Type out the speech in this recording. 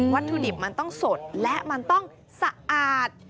วัตถุดิบมันต้องสดและมันต้องสะอาด